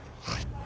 「はい」